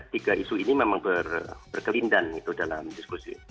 tiga isu ini memang berkelindan dalam diskusi